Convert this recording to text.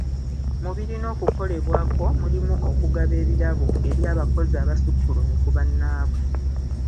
Mu birina okukolebwako mulimu okugaba ebirabo eri abakozi abasukkulumye ku bannaabwe.